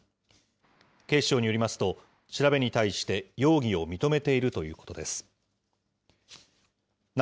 警視庁によりますと、調べに対して容疑を認めているということです。